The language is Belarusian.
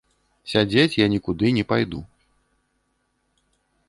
Сядзець я нікуды не пайду.